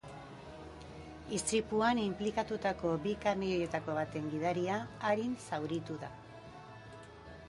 Istripuan inplikatutako bi kamioietako baten gidaria arin zauritu da.